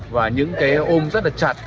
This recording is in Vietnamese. và những ôm rất là chặt